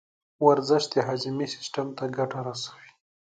ورزش د هاضمې سیستم ته ګټه رسوي.